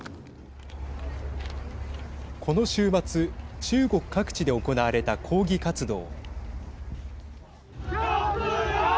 この週末、中国各地で行われた抗議活動。